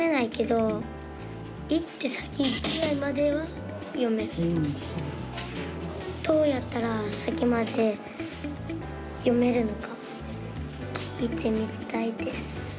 どうやったら先まで読めるのか聞いてみたいです。